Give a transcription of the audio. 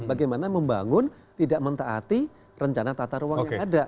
bagaimana membangun tidak mentaati rencana tata ruang yang ada